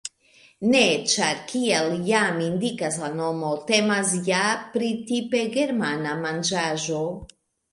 Ne, ĉar kiel jam indikas la nomo, temas ja pri tipe germana manĝaĵo.